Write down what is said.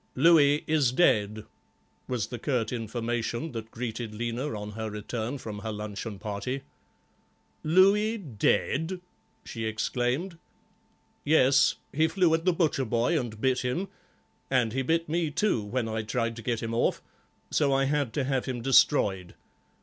"Louis is dead," was the curt information that greeted Lena on her return from her luncheon party. "Louis dead!" she exclaimed. "Yes, he flew at the butcher boy and bit him, and he bit me, too, when I tried to get him off, so I had to have him destroyed.